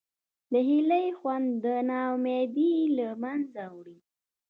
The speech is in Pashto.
د هیلې خوند نا امیدي له منځه وړي.